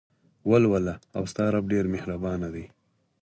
ولوله او ستا رب ډېر مهربان دى.